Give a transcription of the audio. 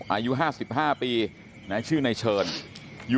อายุ๕๕ปีชื่อในเชิญ